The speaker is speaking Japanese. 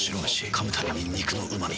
噛むたびに肉のうま味。